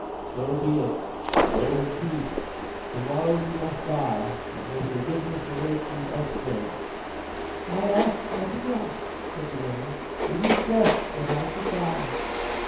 So be it. Go in peace. To morrow you must die, and may forgiveness await you elsewhere." "I ask nothing else," said the woman. "It is best that I should die."